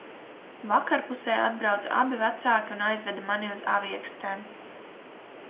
"Vakarpusē atbrauca abi vecāki un aizveda mani uz "Aviekstēm"."